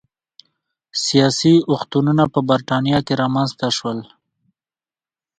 سیاسي اوښتونونه په برېټانیا کې رامنځته شول.